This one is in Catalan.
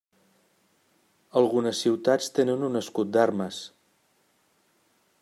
Algunes ciutats tenen un escut d'armes.